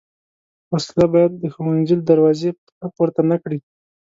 وسله باید د ښوونځي له دروازې پښه پورته نه کړي